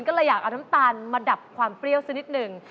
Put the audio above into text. ก็เลยอยากเอาน้ำตาลมาดับความเปรี้ยวสักนิดหนึ่ง